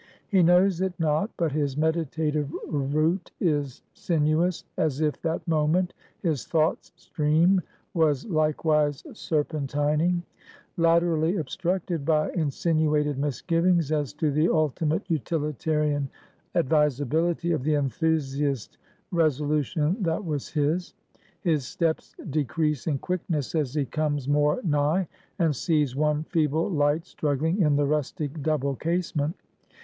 He knows it not, but his meditative route is sinuous; as if that moment his thought's stream was likewise serpentining: laterally obstructed by insinuated misgivings as to the ultimate utilitarian advisability of the enthusiast resolution that was his. His steps decrease in quickness as he comes more nigh, and sees one feeble light struggling in the rustic double casement.